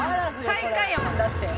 最下位やもんだって。